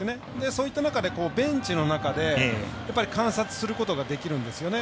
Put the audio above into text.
そういった中でベンチの中で、観察することができるんですよね。